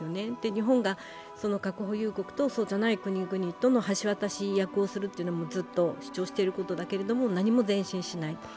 日本が核保有国とそうじゃない国々との橋渡し役をずっと主張していることだけれども、何も前進しない。